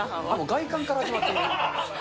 外観から始まってる。